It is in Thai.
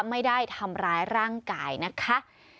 ไม่ได้ทำร้ายร่างกายนะคะ